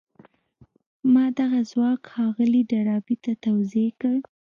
ما دغه ځواک ښاغلي ډاربي ته توضيح کړ.